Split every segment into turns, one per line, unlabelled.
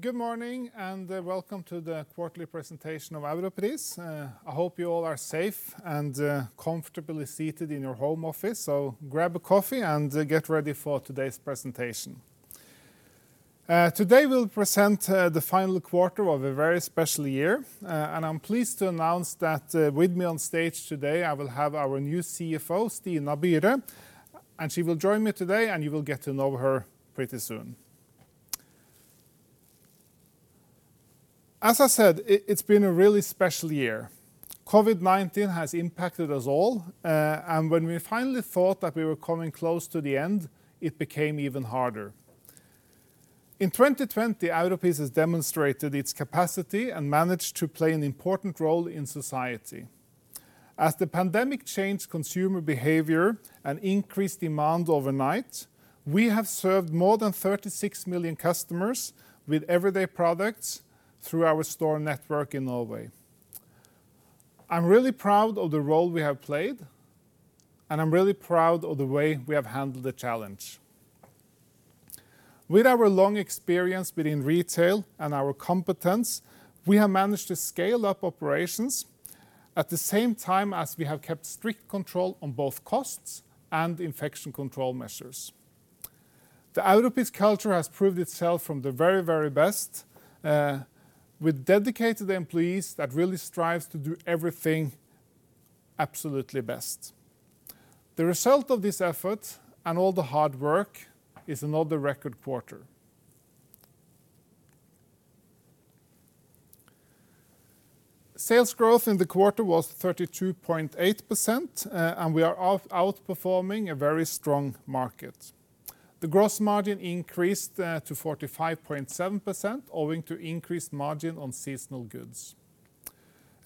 Good morning, welcome to the quarterly presentation of Europris. I hope you all are safe and comfortably seated in your home office. Grab a coffee and get ready for today's presentation. Today we'll present the final quarter of a very special year. I'm pleased to announce that with me on stage today, I will have our new CFO, Stina Byre. She will join me today, you will get to know her pretty soon. As I said, it's been a really special year. COVID-19 has impacted us all. When we finally thought that we were coming close to the end, it became even harder. In 2020, Europris has demonstrated its capacity managed to play an important role in society. As the pandemic changed consumer behavior and increased demand overnight, we have served more than 36 million customers with everyday products through our store network in Norway. I'm really proud of the role we have played, and I'm really proud of the way we have handled the challenge. With our long experience within retail and our competence, we have managed to scale up operations at the same time as we have kept strict control on both costs and infection control measures. The Europris culture has proved itself from the very, very best, with dedicated employees that really strive to do everything absolutely best. The result of this effort and all the hard work is another record quarter. Sales growth in the quarter was 32.8%, and we are outperforming a very strong market. The gross margin increased to 45.7%, owing to increased margin on seasonal goods.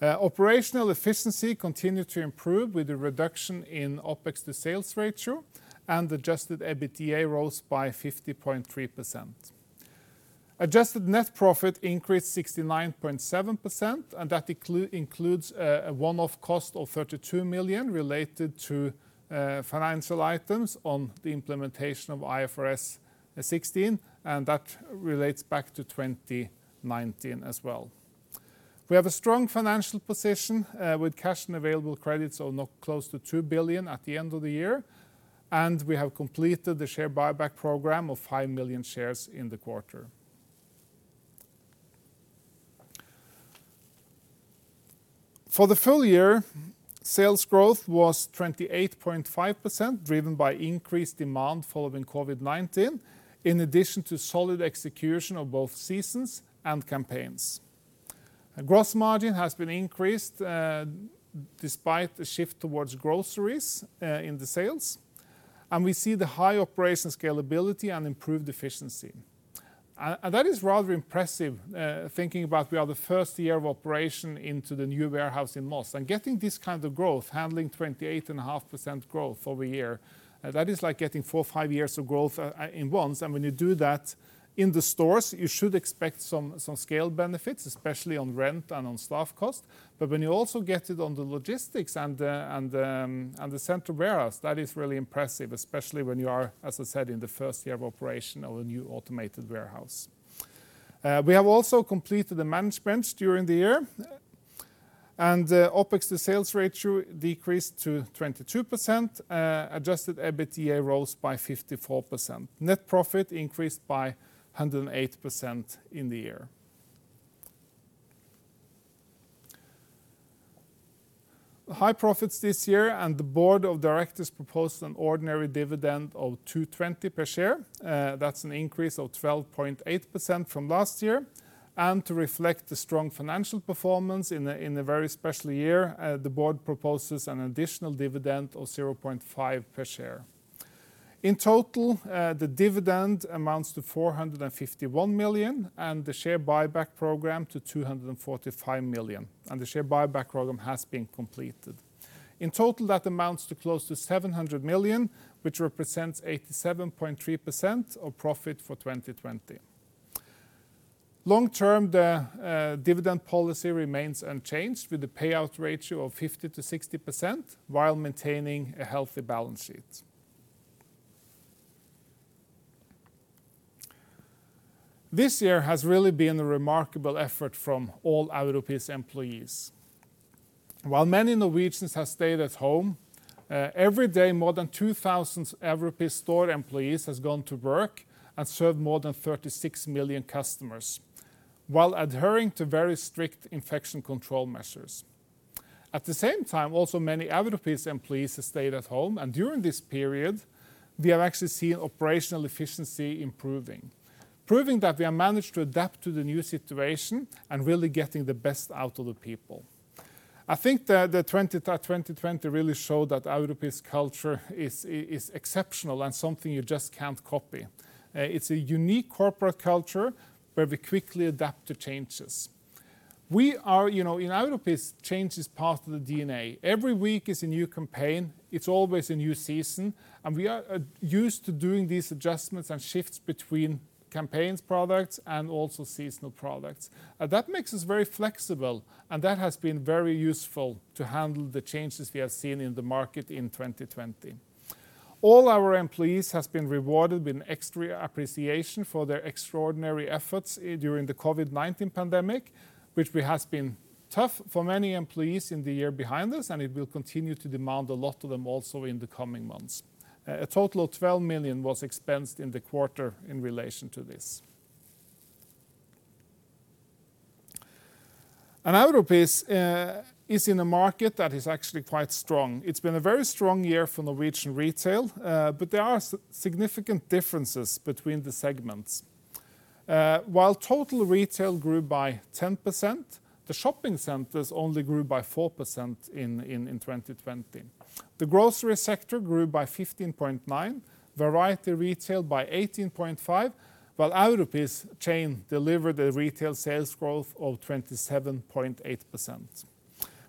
Operational efficiency continued to improve with a reduction in OpEx to sales ratio and adjusted EBITDA rose by 50.3%. Adjusted net profit increased 69.7%. That includes a one-off cost of 32 million related to financial items on the implementation of IFRS 16. That relates back to 2019 as well. We have a strong financial position with cash and available credits of close to 2 billion at the end of the year. We have completed the share buyback program of 5 million shares in the quarter. For the full year, sales growth was 28.5%, driven by increased demand following COVID-19, in addition to solid execution of both seasons and campaigns. Gross margin has been increased despite the shift towards groceries in the sales. We see the high operation scalability and improved efficiency. That is rather impressive, thinking about we are the first year of operation into the new warehouse in Moss and getting this kind of growth, handling 28.5% growth year-over-year, that is like getting four or five years of growth at once. When you do that in the stores, you should expect some scale benefits, especially on rent and on staff cost. When you also get it on the logistics and the central warehouse, that is really impressive, especially when you are, as I said, in the first year of operation of a new automated warehouse. We have also completed the management during the year, and OpEx to sales ratio decreased to 22%. Adjusted EBITDA rose by 54%. Net profit increased by 108% in the year. High profits this year. The board of directors proposed an ordinary dividend of 2.20 per share. That's an increase of 12.8% from last year. To reflect the strong financial performance in a very special year, the board proposes an additional dividend of 0.5 per share. In total, the dividend amounts to 451 million and the share buyback program to 245 million. The share buyback program has been completed. In total, that amounts to close to 700 million, which represents 87.3% of profit for 2020. Long term, the dividend policy remains unchanged with the payout ratio of 50%-60%, while maintaining a healthy balance sheet. This year has really been a remarkable effort from all Europris employees. While many Norwegians have stayed at home, every day more than 2,000 Europris store employees have gone to work and served more than 36 million customers while adhering to very strict infection control measures. At the same time, also many Europris employees have stayed at home. During this period, we have actually seen operational efficiency improving, proving that we have managed to adapt to the new situation and really getting the best out of the people. I think that 2020 really showed that Europris culture is exceptional and something you just can't copy. It's a unique corporate culture where we quickly adapt to changes. In Europris, change is part of the DNA. Every week is a new campaign, it's always a new season, and we are used to doing these adjustments and shifts between campaigns products and also seasonal products. That makes us very flexible, and that has been very useful to handle the changes we have seen in the market in 2020. All our employees have been rewarded with extra appreciation for their extraordinary efforts during the COVID-19 pandemic, which has been tough for many employees in the year behind us, and it will continue to demand a lot of them also in the coming months. A total of 12 million was expensed in the quarter in relation to this. Europris is in a market that is actually quite strong. It's been a very strong year for Norwegian retail, but there are significant differences between the segments. While total retail grew by 10%, the shopping centers only grew by 4% in 2020. The grocery sector grew by 15.9%, variety retail by 18.5%, while Europris chain delivered a retail sales growth of 27.8%.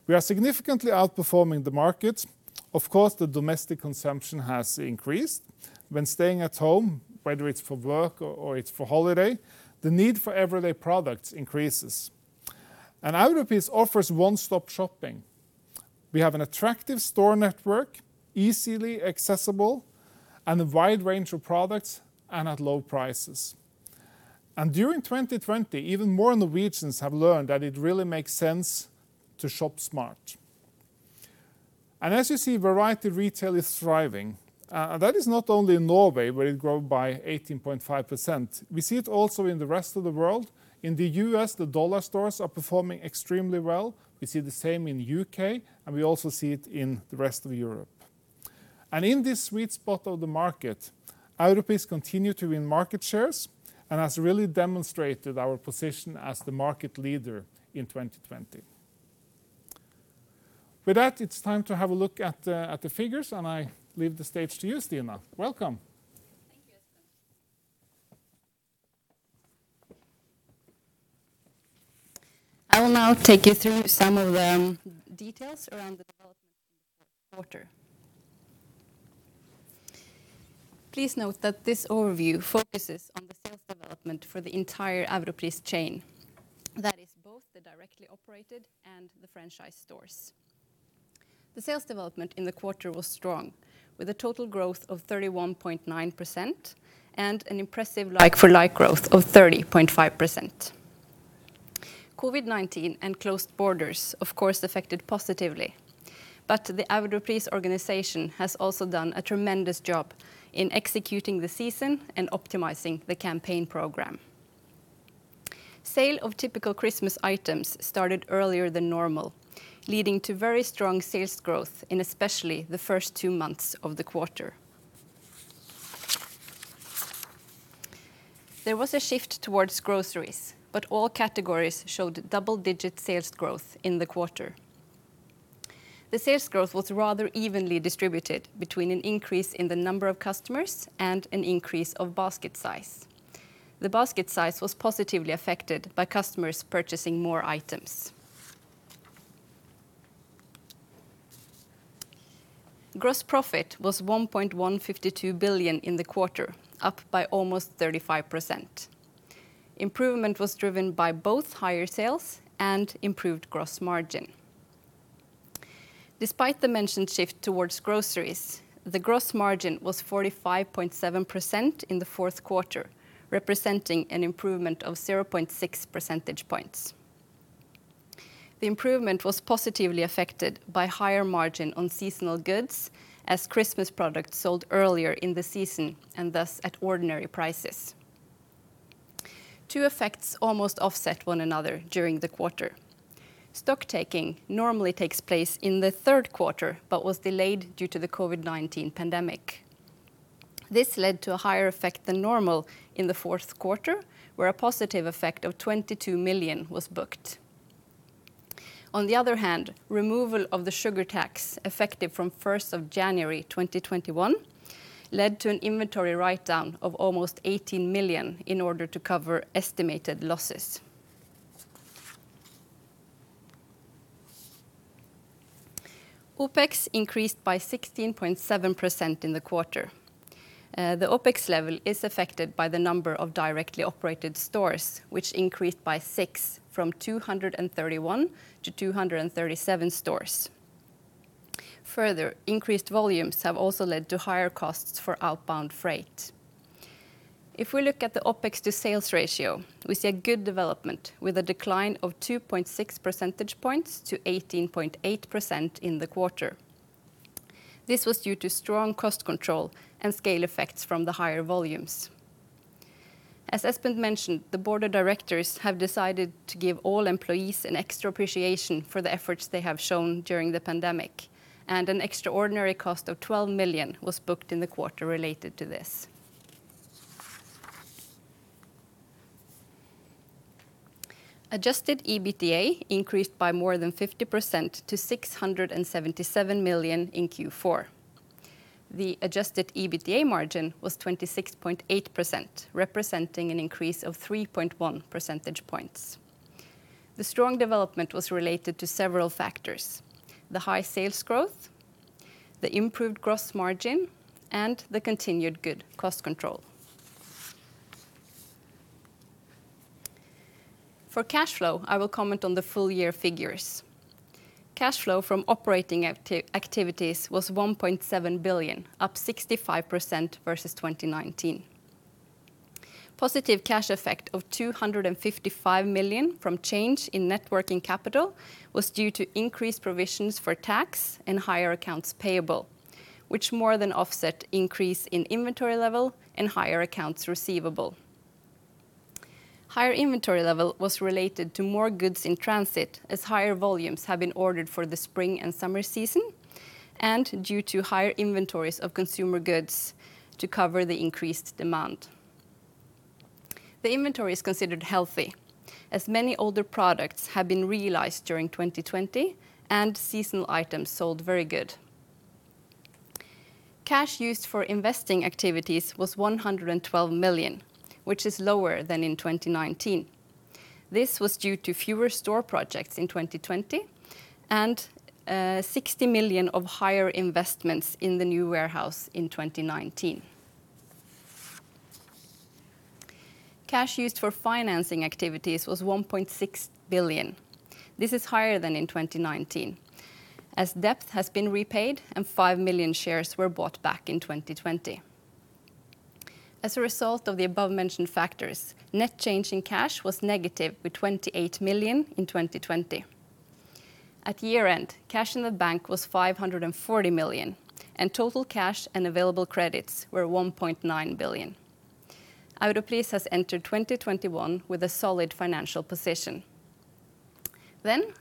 We are significantly outperforming the market. Of course, the domestic consumption has increased when staying at home, whether it's for work or it's for holiday, the need for everyday products increases. Europris offers one-stop shopping. We have an attractive store network, easily accessible, and a wide range of products, and at low prices. During 2020, even more Norwegians have learned that it really makes sense to shop smart. As you see, variety retail is thriving. That is not only in Norway, where it grew by 18.5%. We see it also in the rest of the world. In the U.S., the dollar stores are performing extremely well. We see the same in the U.K., and we also see it in the rest of Europe. In this sweet spot of the market, Europris continue to win market shares and has really demonstrated our position as the market leader in 2020. It's time to have a look at the figures, and I leave the stage to you, Stina. Welcome.
Thank you, Espen. I will now take you through some of the details around the development in the fourth quarter. Please note that this overview focuses on the sales development for the entire Europris chain. That is both the directly operated and the franchise stores. The sales development in the quarter was strong, with a total growth of 31.9% and an impressive like-for-like growth of 30.5%. COVID-19 and closed borders, of course, affected positively. The Europris organization has also done a tremendous job in executing the season and optimizing the campaign program. Sale of typical Christmas items started earlier than normal, leading to very strong sales growth in especially the first two months of the quarter. There was a shift towards groceries, all categories showed double-digit sales growth in the quarter. The sales growth was rather evenly distributed between an increase in the number of customers and an increase of basket size. The basket size was positively affected by customers purchasing more items. Gross profit was 1.152 billion in the quarter, up by almost 35%. Improvement was driven by both higher sales and improved gross margin. Despite the mentioned shift towards groceries, the gross margin was 45.7% in the fourth quarter, representing an improvement of 0.6 percentage points. The improvement was positively affected by higher margin on seasonal goods as Christmas products sold earlier in the season, and thus at ordinary prices. Two effects almost offset one another during the quarter. Stocktaking normally takes place in the third quarter but was delayed due to the COVID-19 pandemic. This led to a higher effect than normal in the fourth quarter, where a positive effect of 22 million was booked. On the other hand, removal of the sugar tax effective from 1st of January 2021 led to an inventory write-down of almost 18 million in order to cover estimated losses. OpEx increased by 16.7% in the quarter. The OpEx level is affected by the number of directly operated stores, which increased by six from 231 to 237 stores. Increased volumes have also led to higher costs for outbound freight. If we look at the OpEx to sales ratio, we see a good development with a decline of 2.6 percentage points to 18.8% in the quarter. This was due to strong cost control and scale effects from the higher volumes. As Espen mentioned, the board of directors have decided to give all employees an extra appreciation for the efforts they have shown during the pandemic, and an extraordinary cost of 12 million was booked in the quarter related to this. Adjusted EBITDA increased by more than 50% to 677 million in Q4. The adjusted EBITDA margin was 26.8%, representing an increase of 3.1 percentage points. The strong development was related to several factors: the high sales growth, the improved gross margin, and the continued good cost control. For cash flow, I will comment on the full year figures. Cash flow from operating activities was 1.7 billion, up 65% versus 2019. Positive cash effect of 255 million from change in net working capital was due to increased provisions for tax and higher accounts payable, which more than offset increase in inventory level and higher accounts receivable. Higher inventory level was related to more goods in transit, as higher volumes have been ordered for the spring and summer season, and due to higher inventories of consumer goods to cover the increased demand. The inventory is considered healthy, as many older products have been realized during 2020 and seasonal items sold very good. Cash used for investing activities was 112 million, which is lower than in 2019. This was due to fewer store projects in 2020 and 60 million of higher investments in the new warehouse in 2019. Cash used for financing activities was 1.6 billion. This is higher than in 2019, as debt has been repaid and 5 million shares were bought back in 2020. As a result of the above-mentioned factors, net change in cash was negative with 28 million in 2020. At year-end, cash in the bank was 540 million, and total cash and available credits were 1.9 billion. Europris has entered 2021 with a solid financial position.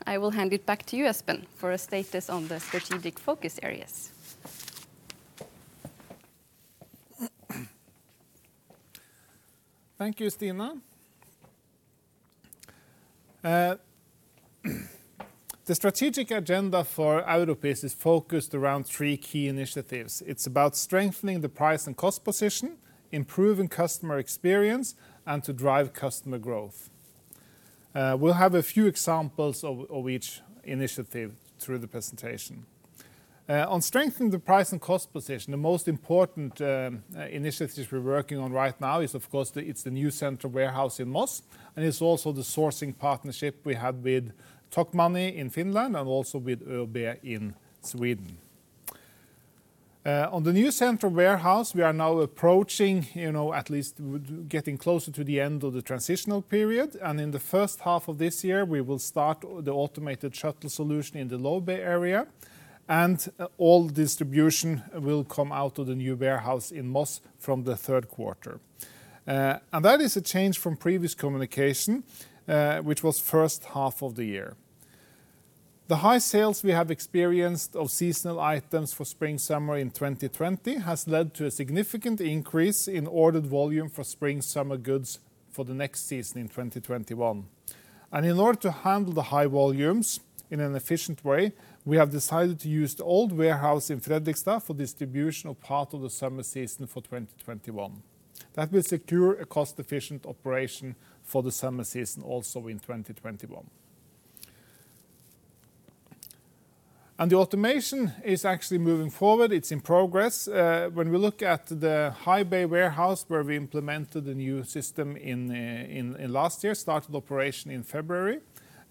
I will hand it back to you, Espen, for a status on the strategic focus areas.
Thank you, Stina. The strategic agenda for Europris is focused around three key initiatives. It's about strengthening the price and cost position, improving customer experience, and to drive customer growth. We'll have a few examples of each initiative through the presentation. On strengthening the price and cost position, the most important initiatives we're working on right now is, of course, it's the new central warehouse in Moss, and it's also the sourcing partnership we have with Tokmanni in Finland and also with ÖoB in Sweden. On the new central warehouse, we are now approaching at least getting closer to the end of the transitional period, and in the first half of this year, we will start the automated shuttle solution in the low bay area, and all distribution will come out of the new warehouse in Moss from the third quarter. That is a change from previous communication, which was first half of the year. The high sales we have experienced of seasonal items for spring/summer in 2020 has led to a significant increase in ordered volume for spring/summer goods for the next season in 2021. In order to handle the high volumes in an efficient way, we have decided to use the old warehouse in Fredrikstad for distribution of part of the summer season for 2021. That will secure a cost-efficient operation for the summer season also in 2021. The automation is actually moving forward. It's in progress. When we look at the high bay warehouse where we implemented the new system in last year, started operation in February,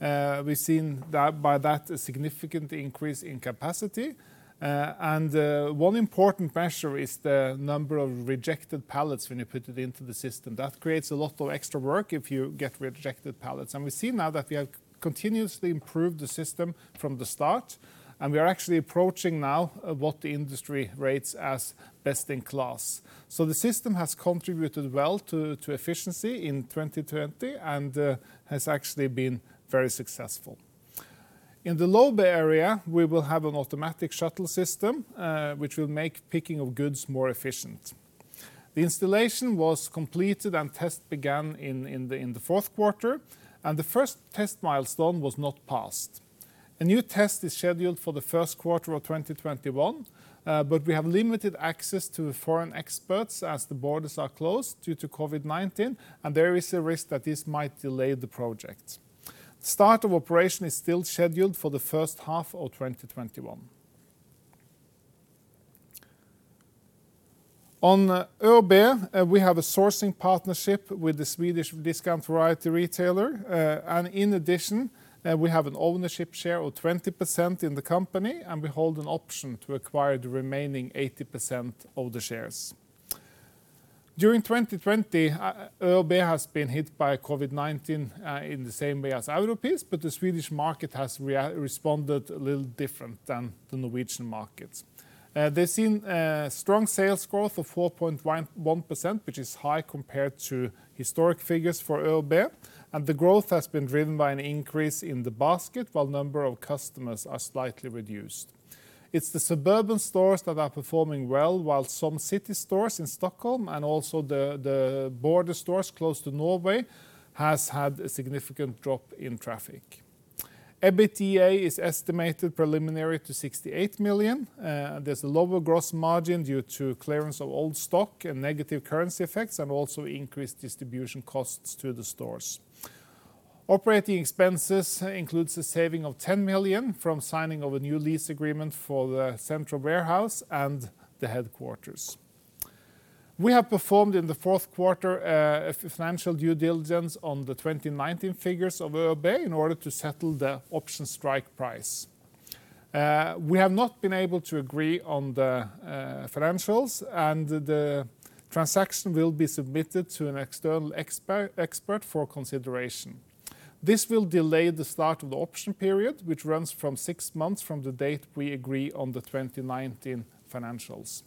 we've seen by that a significant increase in capacity. One important measure is the number of rejected palettes when you put it into the system. That creates a lot of extra work if you get rejected pallets. We see now that we have continuously improved the system from the start, and we are actually approaching now what the industry rates as best in class. The system has contributed well to efficiency in 2020 and has actually been very successful. In the low bay area, we will have an automatic shuttle system, which will make picking of goods more efficient. The installation was completed, and test began in the fourth quarter, and the first test milestone was not passed. A new test is scheduled for the first quarter of 2021, but we have limited access to foreign experts as the borders are closed due to COVID-19, and there is a risk that this might delay the project. Start of operation is still scheduled for the first half of 2021. On ÖoB, we have a sourcing partnership with the Swedish discount variety retailer. In addition, we have an ownership share of 20% in the company, and we hold an option to acquire the remaining 80% of the shares. During 2020, ÖoB has been hit by COVID-19 in the same way as Europris, but the Swedish market has responded a little different than the Norwegian markets. They've seen strong sales growth of 4.1%, which is high compared to historic figures for ÖoB, and the growth has been driven by an increase in the basket while number of customers are slightly reduced. It's the suburban stores that are performing well while some city stores in Stockholm and also the border stores close to Norway has had a significant drop in traffic. EBITDA is estimated preliminary to 68 million. There's a lower gross margin due to clearance of old stock and negative currency effects, also increased distribution costs to the stores. Operating expenses includes a saving of 10 million from signing of a new lease agreement for the central warehouse and the headquarters. We have performed in the fourth quarter a financial due diligence on the 2019 figures of ÖoB in order to settle the option strike price. We have not been able to agree on the financials. The transaction will be submitted to an external expert for consideration. This will delay the start of the option period, which runs from six months from the date we agree on the 2019 financials.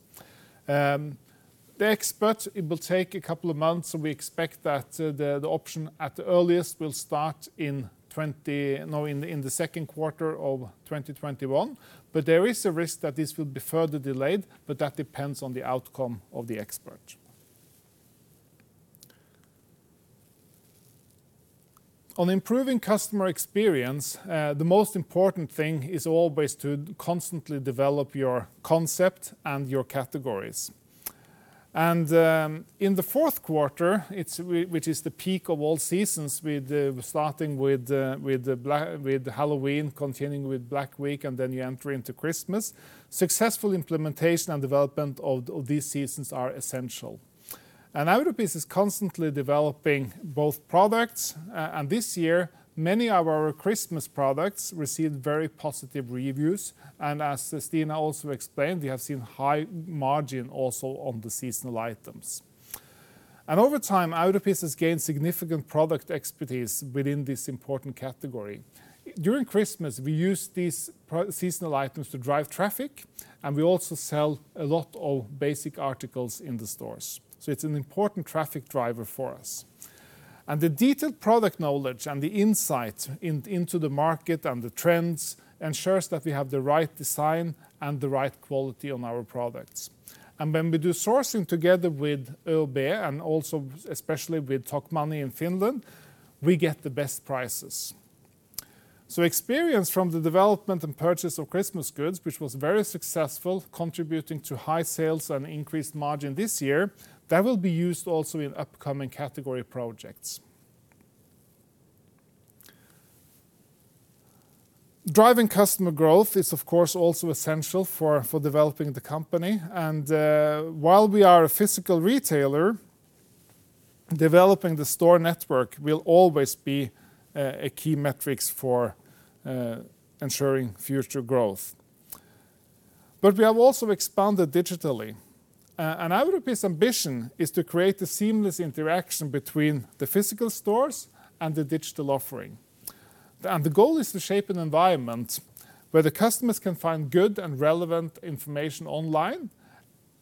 The expert will take a couple of months. We expect that the option, at the earliest, will start in the second quarter of 2021. There is a risk that this will be further delayed, but that depends on the outcome of the expert. On improving customer experience, the most important thing is always to constantly develop your concept and your categories. In the fourth quarter, which is the peak of all seasons starting with Halloween, continuing with Black Week, and then you enter into Christmas, successful implementation and development of these seasons are essential. Europris is constantly developing both products, and this year, many of our Christmas products received very positive reviews. As Stina also explained, we have seen high margin also on the seasonal items. Over time, Europris has gained significant product expertise within this important category. During Christmas, we use these seasonal items to drive traffic, and we also sell a lot of basic articles in the stores. It's an important traffic driver for us. The detailed product knowledge and the insight into the market and the trends ensures that we have the right design and the right quality on our products. When we do sourcing together with ÖoB and also especially with Tokmanni in Finland, we get the best prices. Experience from the development and purchase of Christmas goods, which was very successful, contributing to high sales and increased margin this year, that will be used also in upcoming category projects. Driving customer growth is, of course, also essential for developing the company. While we are a physical retailer, developing the store network will always be a key metrics for ensuring future growth. We have also expanded digitally. Europris' ambition is to create a seamless interaction between the physical stores and the digital offering. The goal is to shape an environment where the customers can find good and relevant information online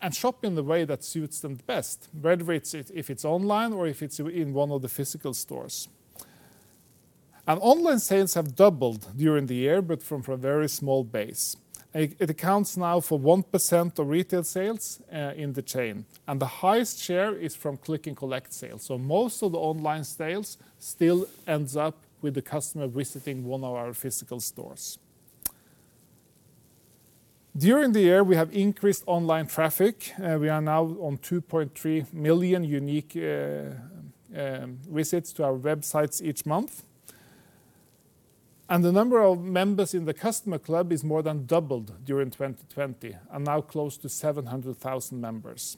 and shop in the way that suits them the best, whether if it's online or if it's in one of the physical stores. It accounts now for 1% of retail sales in the chain, and the highest share is from click-and-collect sales. Most of the online sales still ends up with the customer visiting one of our physical stores. During the year, we have increased online traffic. We are now on 2.3 million unique visits to our websites each month. The number of members in the customer club is more than doubled during 2020 and now close to 700,000 members.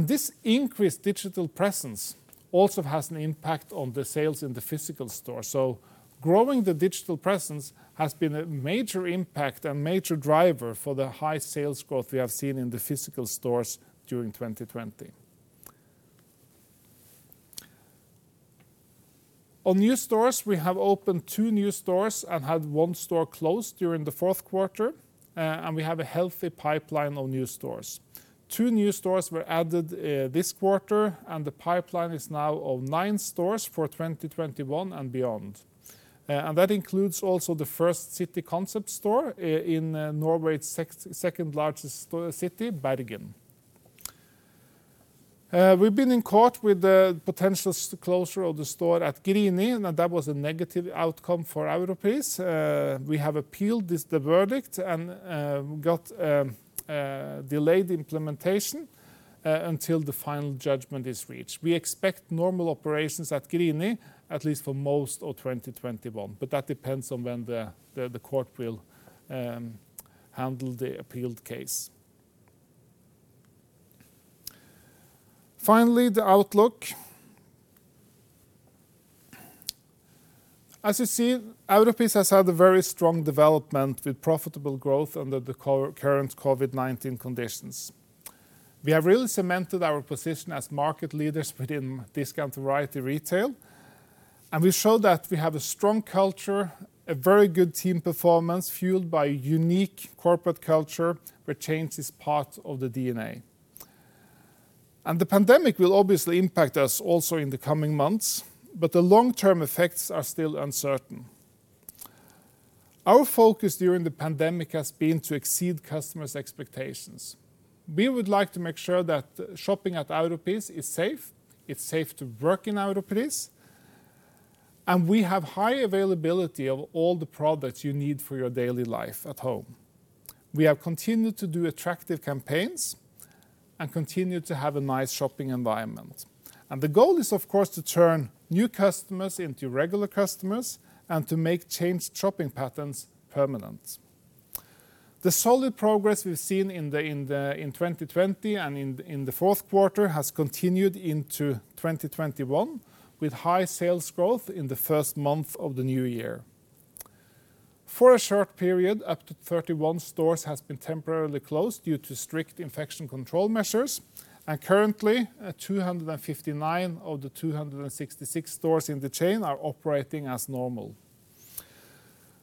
This increased digital presence also has an impact on the sales in the physical store. Growing the digital presence has been a major impact and major driver for the high sales growth we have seen in the physical stores during 2020. On new stores, we have opened two new stores and had one store closed during the fourth quarter, and we have a healthy pipeline of new stores. Two new stores were added this quarter, and the pipeline is now of nine stores for 2021 and beyond. That includes also the first city concept store in Norway's second-largest city, Bergen. We've been in court with the potential closure of the store at Grini, and that was a negative outcome for Europris. We have appealed the verdict and got delayed implementation until the final judgment is reached. We expect normal operations at Grini at least for most of 2021, but that depends on when the court will handle the appealed case. The outlook. As you see, Europris has had a very strong development with profitable growth under the current COVID-19 conditions. We have really cemented our position as market leaders within discount variety retail, and we show that we have a strong culture, a very good team performance fueled by a unique corporate culture where change is part of the DNA. The pandemic will obviously impact us also in the coming months, but the long-term effects are still uncertain. Our focus during the pandemic has been to exceed customers' expectations. We would like to make sure that shopping at Europris is safe, it's safe to work in Europris, and we have high availability of all the products you need for your daily life at home. We have continued to do attractive campaigns and continued to have a nice shopping environment. The goal is, of course, to turn new customers into regular customers and to make changed shopping patterns permanent. The solid progress we've seen in 2020 and in the fourth quarter has continued into 2021, with high sales growth in the first month of the new year. For a short period, up to 31 stores have been temporarily closed due to strict infection control measures, and currently, 259 of the 266 stores in the chain are operating as normal.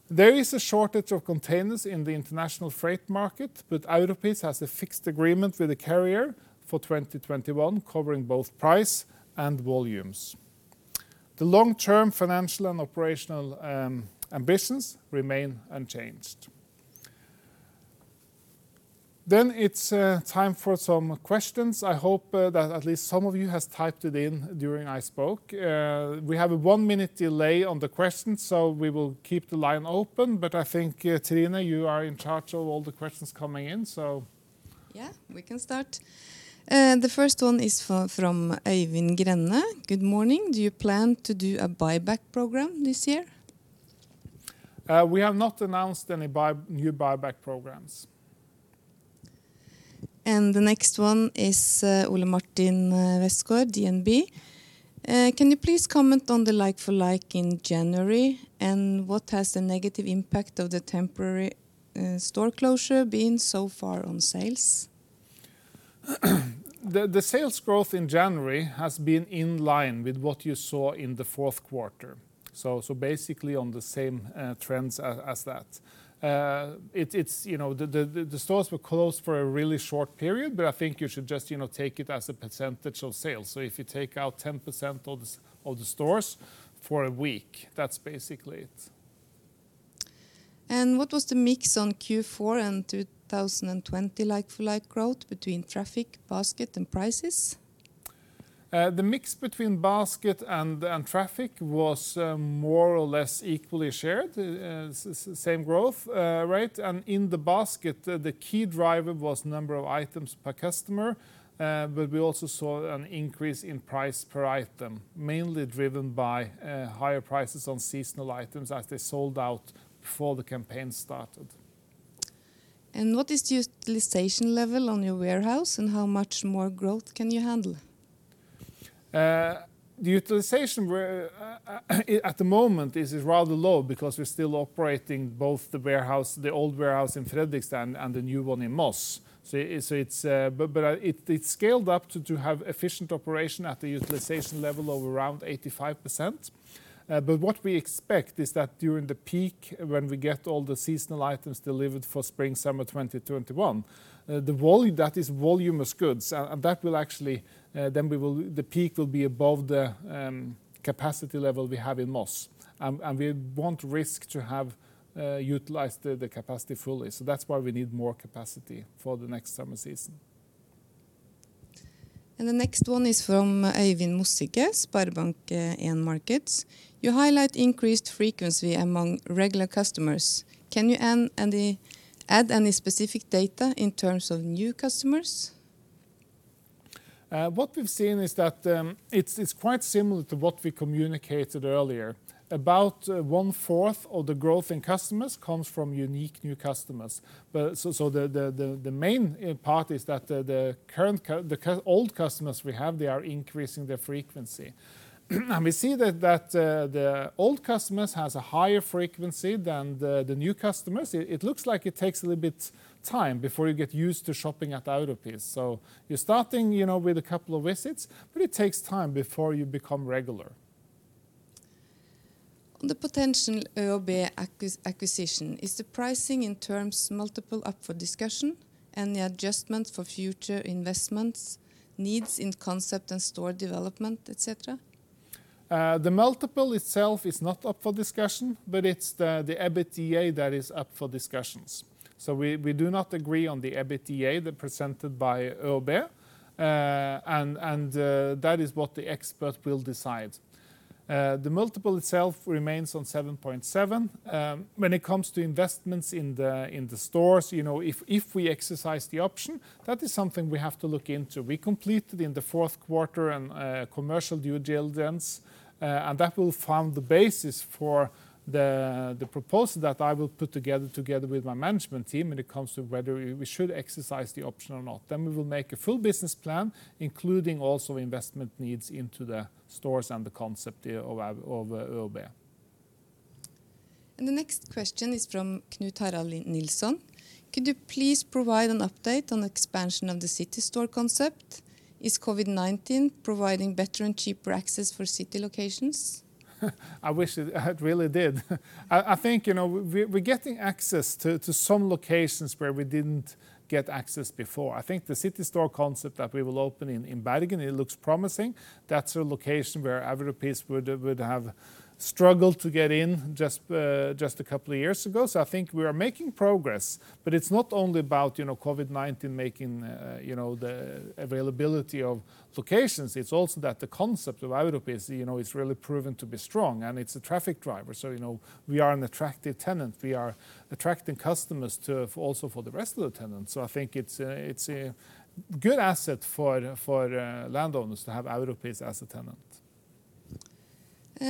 There is a shortage of containers in the international freight market, but Europris has a fixed agreement with the carrier for 2021, covering both price and volumes. The long-term financial and operational ambitions remain unchanged. It's time for some questions. I hope that at least some of you have typed it in during I spoke. We have a one-minute delay on the questions, so we will keep the line open, but I think, Trine, you are in charge of all the questions coming in, so.
Yeah. We can start. The first one is from Øyvind Grønne. Good morning. Do you plan to do a buyback program this year?
We have not announced any new buyback programs.
The next one is Ole Martin Westgaard, DNB. Can you please comment on the like-for-like in January, and what has the negative impact of the temporary store closure been so far on sales?
The sales growth in January has been in line with what you saw in the fourth quarter, basically on the same trends as that. The stores were closed for a really short period, I think you should just take it as a percentage of sales. If you take out 10% of the stores for a week, that's basically it.
What was the mix on Q4 and 2020 like-for-like growth between traffic, basket, and prices?
The mix between basket and traffic was more or less equally shared, same growth rate. In the basket, the key driver was number of items per customer. We also saw an increase in price per item, mainly driven by higher prices on seasonal items as they sold out before the campaign started.
What is the utilization level on your warehouse, and how much more growth can you handle?
The utilization at the moment is rather low because we're still operating both the old warehouse in Fredrikstad and the new one in Moss. It's scaled up to have efficient operation at the utilization level of around 85%. What we expect is that during the peak, when we get all the seasonal items delivered for spring/summer 2021, that is voluminous goods, and then the peak will be above the capacity level we have in Moss, and we won't risk to have utilized the capacity fully. That's why we need more capacity for the next summer season.
The next one is from Øyvind Mossige, SpareBank 1 Markets. You highlight increased frequency among regular customers. Can you add any specific data in terms of new customers?
What we've seen is that it's quite similar to what we communicated earlier. About 1/4 of the growth in customers comes from unique new customers. The main part is that the old customers we have, they are increasing their frequency. We see that the old customers have a higher frequency than the new customers. It looks like it takes a little bit of time before you get used to shopping at Europris. You're starting with a couple of visits, but it takes time before you become regular.
On the potential ÖoB acquisition, is the pricing in terms multiple up for discussion and the adjustment for future investments needs in concept and store development, et cetera?
The multiple itself is not up for discussion, but it's the EBITDA that is up for discussions. We do not agree on the EBITDA presented by ÖoB. That is what the expert will decide. The multiple itself remains on 7.7. When it comes to investments in the stores, if we exercise the option, that is something we have to look into. We completed, in the fourth quarter, a commercial due diligence, and that will form the basis for the proposal that I will put together with my management team when it comes to whether we should exercise the option or not. We will make a full business plan, including also investment needs into the stores and the concept of ÖoB.
The next question is from Knut Harald Nilssen. Could you please provide an update on expansion of the city store concept? Is COVID-19 providing better and cheaper access for city locations?
I wish it really did. I think we're getting access to some locations where we didn't get access before. I think the city store concept that we will open in Bergen, it looks promising. That's a location where Europris would have struggled to get in just a couple of years ago. I think we are making progress, but it's not only about COVID-19 making the availability of locations, it's also that the concept of Europris, it's really proven to be strong, and it's a traffic driver. We are an attractive tenant. We are attracting customers also for the rest of the tenants. I think it's a good asset for landowners to have Europris as a tenant.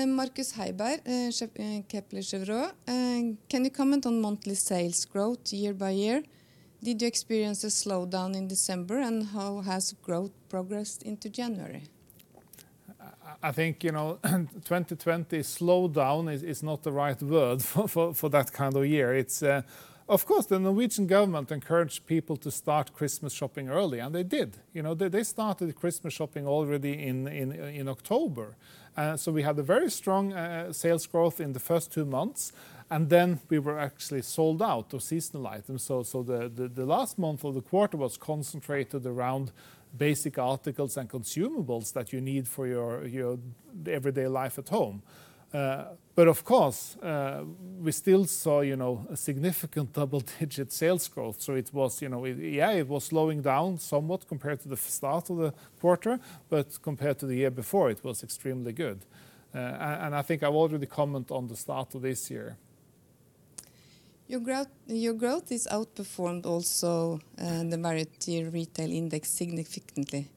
Markus Heiberg, Kepler Cheuvreux. Can you comment on monthly sales growth year by year? Did you experience a slowdown in December, and how has growth progressed into January?
I think, 2020, slowdown is not the right word for that kind of year. Of course, the Norwegian government encouraged people to start Christmas shopping early. They did. They started Christmas shopping already in October. We had a very strong sales growth in the first two months, and then we were actually sold out of seasonal items. The last month of the quarter was concentrated around basic articles and consumables that you need for your everyday life at home. Of course, we still saw a significant double-digit sales growth. Yeah, it was slowing down somewhat compared to the start of the quarter, but compared to the year before, it was extremely good. I think I've already commented on the start of this year.
Your growth has outperformed also the variety retail index significantly.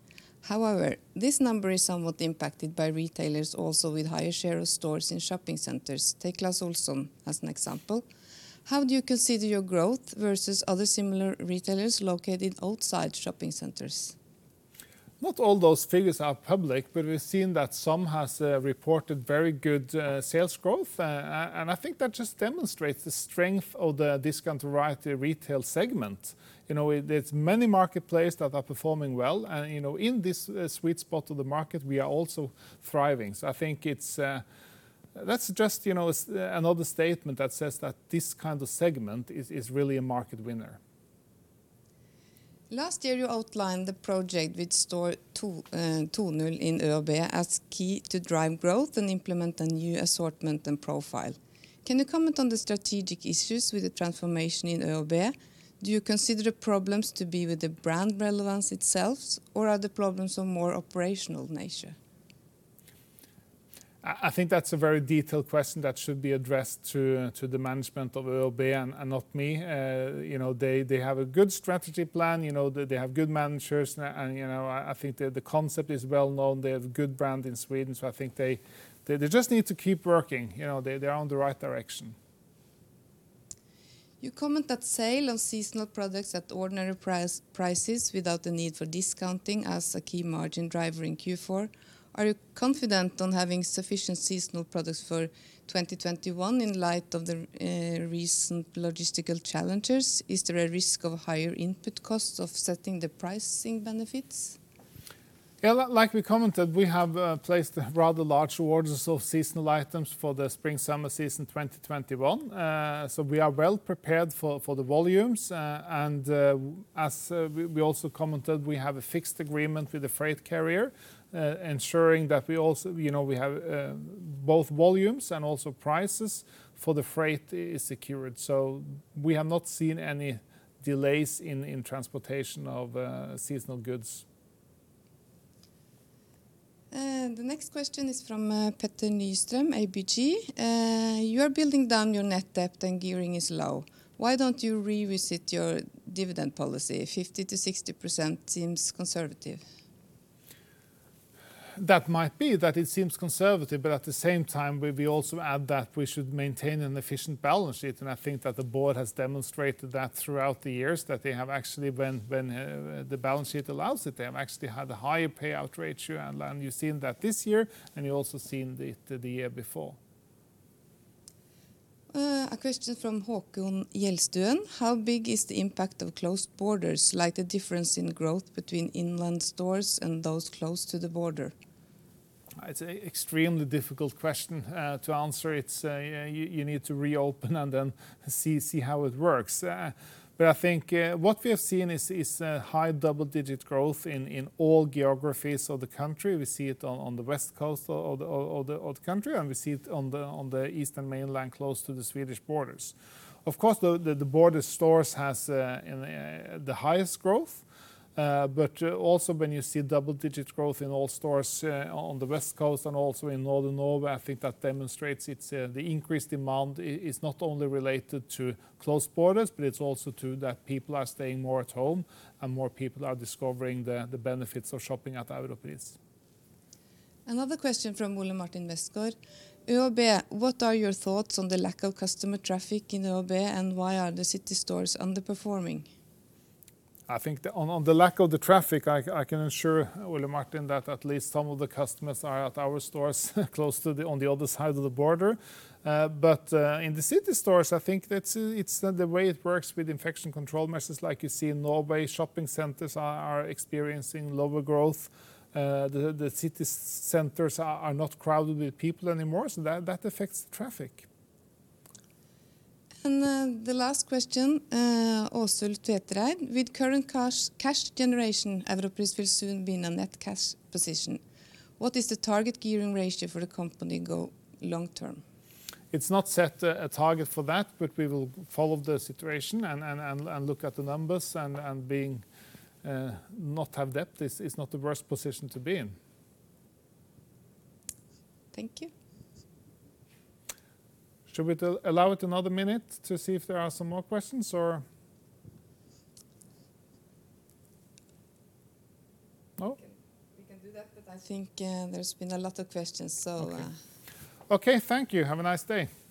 This number is somewhat impacted by retailers also with higher share of stores in shopping centers. Take Clas Ohlson as an example. How do you consider your growth versus other similar retailers located outside shopping centers?
Not all those figures are public. We've seen that some have reported very good sales growth. I think that just demonstrates the strength of the discount variety retail segment. There are many marketplaces that are performing well. In this sweet spot of the market, we are also thriving. I think that's just another statement that says that this kind of segment is really a market winner.
Last year, you outlined the project with Tokmanni and ÖoB as key to drive growth and implement a new assortment and profile. Can you comment on the strategic issues with the transformation in ÖoB? Do you consider the problems to be with the brand relevance itself, or are the problems of more operational nature?
I think that's a very detailed question that should be addressed to the management of ÖoB and not me. They have a good strategy plan, they have good managers, and I think the concept is well-known. They have a good brand in Sweden. I think they just need to keep working. They're on the right direction.
You comment that sale of seasonal products at ordinary prices without the need for discounting as a key margin driver in Q4. Are you confident in having sufficient seasonal products for 2021 in light of the recent logistical challenges? Is there a risk of higher input costs offsetting the pricing benefits?
Yeah, like we commented, we have placed rather large orders of seasonal items for the spring-summer season 2021. We are well prepared for the volumes. As we also commented, we have a fixed agreement with the freight carrier ensuring that we have both volumes and also prices for the freight is secured. We have not seen any delays in transportation of seasonal goods.
The next question is from Petter Nystrøm, ABG. You are building down your net debt, and gearing is low. Why don't you revisit your dividend policy? 50%-60% seems conservative.
That might be, that it seems conservative. At the same time, we also add that we should maintain an efficient balance sheet. I think that the board has demonstrated that throughout the years, that they have actually, when the balance sheet allows it, they have actually had a higher payout ratio. You've seen that this year, and you also seen it the year before.
A question from Håkon Hjelstuen. How big is the impact of closed borders, like the difference in growth between inland stores and those close to the border?
It's an extremely difficult question to answer. You need to reopen and then see how it works. I think what we have seen is high double-digit growth in all geographies of the country. We see it on the west coast of the country, and we see it on the eastern mainland close to the Swedish borders. The border stores have the highest growth. Also when you see double-digit growth in all stores on the west coast and also in Northern Norway, I think that demonstrates the increased demand is not only related to closed borders, but it's also true that people are staying more at home, and more people are discovering the benefits of shopping at Europris.
Another question from Ole Martin Westgaard. ÖoB, what are your thoughts on the lack of customer traffic in ÖoB, and why are the city stores underperforming?
I think on the lack of the traffic, I can assure Ole Martin that at least some of the customers are at our stores close to on the other side of the border. In the city stores, I think that it's the way it works with infection control measures like you see in Norway, shopping centers are experiencing lower growth. The city centers are not crowded with people anymore, that affects the traffic.
The last question, Aasulv Tveitereid. With current cash generation, Europris will soon be in a net cash position. What is the target gearing ratio for the company long term?
It's not set a target for that, but we will follow the situation and look at the numbers and not have debt is not the worst position to be in.
Thank you.
Should we allow it another minute to see if there are some more questions or No?
We can do that, but I think there's been a lot of questions.
Okay. Thank you. Have a nice day.